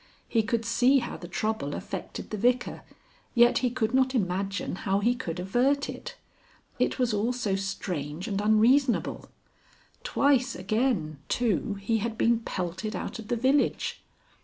He could see how the trouble affected the Vicar, yet he could not imagine how he could avert it. It was all so strange and unreasonable. Twice again, too, he had been pelted out of the village.